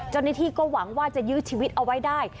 เจ้าหน้าที่ก็หวังว่าจะยื้อชีวิตเอาไว้ได้